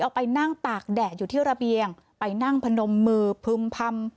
เอาไปนั่งตากแดดอยู่ที่ระเบียงไปนั่งพนมมือพึ่มพำ